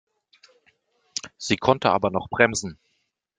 Sie konnte aber noch bremsen.